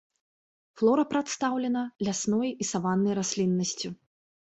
Флора прадстаўлена лясной і саваннай расліннасцю.